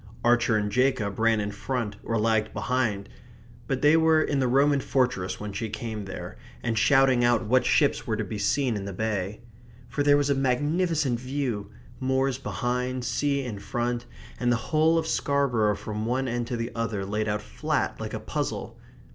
Archer and Jacob ran in front or lagged behind; but they were in the Roman fortress when she came there, and shouting out what ships were to be seen in the bay. For there was a magnificent view moors behind, sea in front, and the whole of Scarborough from one end to the other laid out flat like a puzzle.